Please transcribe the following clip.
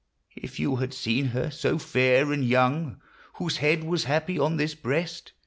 If you had seen her, so fair and young, Whose head was happy on this breast